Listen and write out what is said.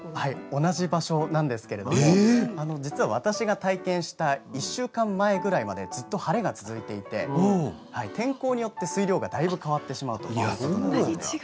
同じ場所なんですけれど実は私が体験した１週間前くらいまで、ずっと晴れが続いていて天候によって水量がだいぶ変わってしまうということなんです。